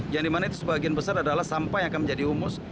yang dimana itu sebagian besar adalah sampah yang akan menjadi humus